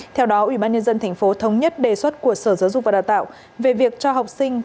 theo đó ubnd tp thống nhất đề xuất của sở giáo dục và đào tạo về việc cho học sinh